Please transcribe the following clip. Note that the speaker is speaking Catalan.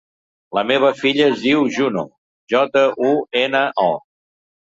La meva filla es diu Juno: jota, u, ena, o.